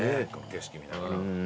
景色見ながら。